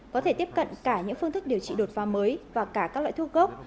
có thể tiếp cận cả những phương thức điều trị đột pha mới và cả các loại thuốc gốc